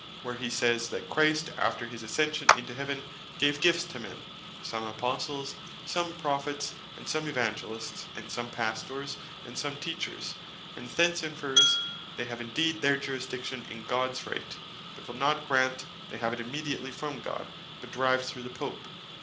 where hee sayes, that Christ after his Ascension into heaven, "gave gifts to men, some Apostles, some Prophets, and some Evangelists, and some Pastors, and some Teachers:" And thence inferres, they have indeed their Jurisdiction in Gods Right; but will not grant they have it immediately from God, but derived through the Pope.